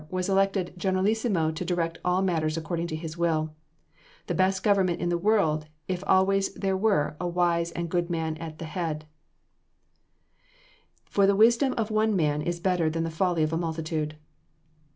was elected generalissimo to direct all matters according to his will, the best government in the world if always there were a wise and good man at the head; for the wisdom of one man is better than the folly of a multitude.